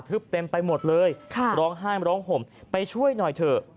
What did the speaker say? เต็มไปหมดเลยร้องไห้มาร้องห่มไปช่วยหน่อยเถอะ